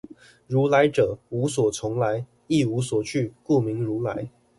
如來者，無所從來，亦無所去，故名如來